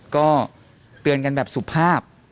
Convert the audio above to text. ก็เตือนกันแบบสุภาพ